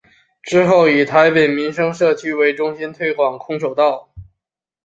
之后以台北民生社区为中心推广空手道。